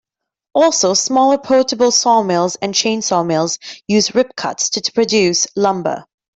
Also, smaller portable sawmills and chainsaw mills use rip-cuts to produce lumber.